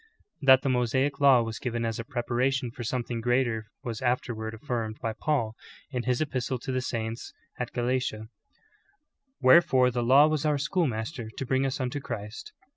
That the ^losaic law was given as a preparation for something greater was afterward afiirmed by Paul, in his epistle to the saints at Galatia : ''Wherefore the law was our schoolmaster to bring us unto Christ."